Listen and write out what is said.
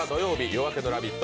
「夜明けのラヴィット！」